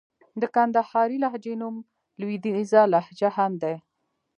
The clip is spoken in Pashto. د کندهارۍ لهجې نوم لوېديځه لهجه هم دئ.